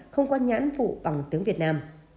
không có nhãn phụ bằng tiếng việt nam